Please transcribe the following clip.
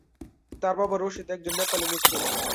তার বাবা রশিদ একজন নেপালি মুসলিম।